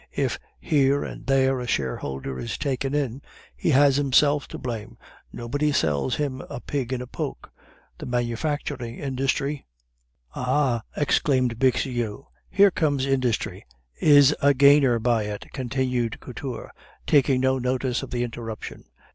If here and there a shareholder is taken in, he has himself to blame, nobody sells him a pig in a poke. The manufacturing industry " "Ah!" exclaimed Bixiou, "here comes industry "" is a gainer by it," continued Couture, taking no notice of the interruption.